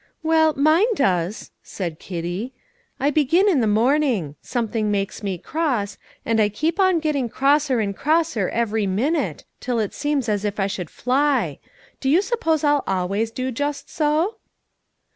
"Well, mine does," said Kitty. "I begin in the morning; something makes me cross, and I keep on getting crosser and crosser every minute, till it seems as if I should fly. Do you suppose I'll always do just so?"